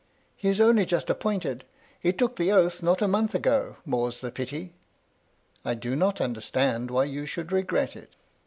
MY LADY LUDLOW. 47 " He is only just appointed ; he took the oaths not a month ago, — more's ?he pity 1" "I do not understand why you should regret it.